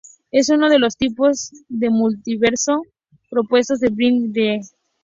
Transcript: Es uno de los tipos de multiverso propuestos por Brian R. Greene.